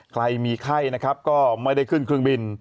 ใครมีไข้นะครับก็ไม่ได้ขึ้นเครื่องบิน